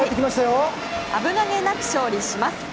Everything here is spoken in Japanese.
危なげなく勝利します。